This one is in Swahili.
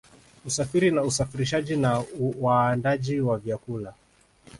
Usafiri na usafirishaji na waandaaji wa vyakula